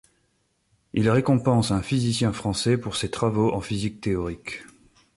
Il récompense un physicien français pour ses travaux en physique théorique.